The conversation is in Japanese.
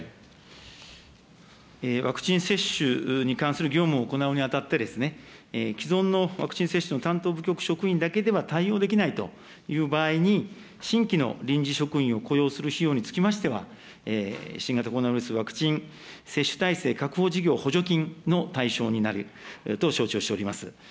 ワクチン接種に関する業務を行うにあたって、既存のワクチン接種の担当部局職員だけでは対応できないという場合に、新規の臨時職員を雇用する費用につきましては、新型コロナウイルスワクチン接種体制確保事業補助金の対象になると承知をしております。